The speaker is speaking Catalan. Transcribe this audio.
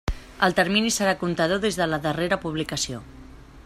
El termini serà comptador des de la darrera publicació.